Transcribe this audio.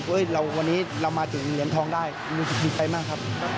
วันนี้เรามาถึงเหรียญทองได้รู้สึกดีใจมากครับ